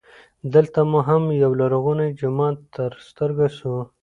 دلته مو هم یولرغونی جومات تر ستر ګو سو.